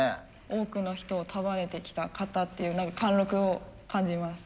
多くの人を束ねてきた方っていう貫録を感じます。